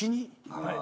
はい。